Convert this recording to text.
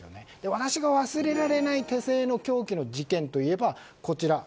私が忘れられない手製の凶器の事件がこちら。